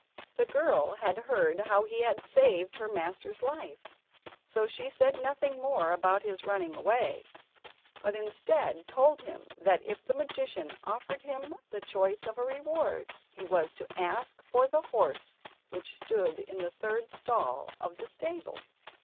The girl had heard how he had saved her master's life, so she said nothing more about his running away, but instead told him that if the magician offered him the choice of a reward, he was to ask for the horse which stood in the third stall of the stable.